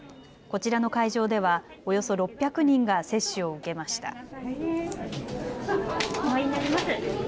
こちらの会場ではおよそ６００人が接種を受けました。